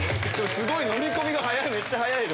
すごいのみ込みが早い。